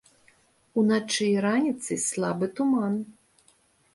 Уначы і раніцай слабы туман.